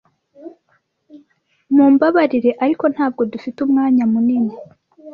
Mumbabarire, ariko ntabwo dufite umwanya munini.